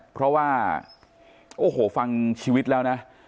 เพราะว่าโอ้โหฟังชีวิตแล้วนะ